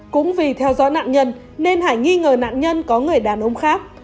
cũng vì theo dõi nạn nhân nên hải nghi ngờ nạn nhân có người đàn ông khác